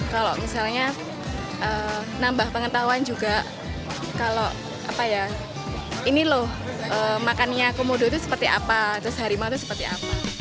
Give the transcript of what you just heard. kalau misalnya nambah pengetahuan juga kalau apa ya ini loh makannya komodo itu seperti apa terus harimau itu seperti apa